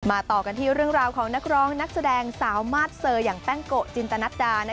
ต่อกันที่เรื่องราวของนักร้องนักแสดงสาวมาสเซอร์อย่างแป้งโกะจินตนัดดา